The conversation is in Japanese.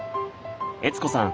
悦子さん